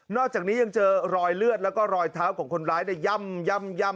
อกจากนี้ยังเจอรอยเลือดแล้วก็รอยเท้าของคนร้ายในย่ำ